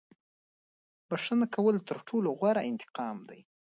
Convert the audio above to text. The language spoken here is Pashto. • بښنه کول تر ټولو غوره انتقام دی.